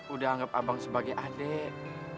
udah anggap abang sebagai adik